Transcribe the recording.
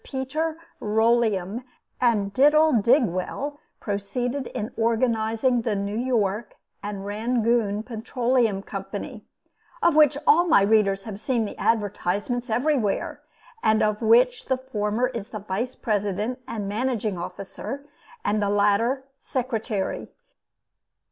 Peter Rolleum and Diddle Digwell proceeded in organizing the New York and Rangoon Petroleum Company, of which all my readers have seen the advertisements everywhere, and of which the former is the Vice President and managing officer, and the latter Secretary.